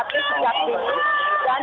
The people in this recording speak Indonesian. bekerjasama dengan semuanya